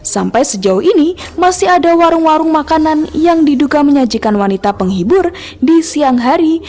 sampai sejauh ini masih ada warung warung makanan yang diduga menyajikan wanita penghibur di siang hari